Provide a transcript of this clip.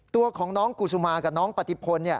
ตัวของน้องกูซุมากับน้องปฏิพล